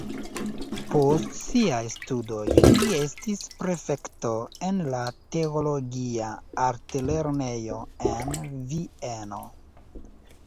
Post siaj studoj li estis prefekto en la teologia altlernejo en Vieno.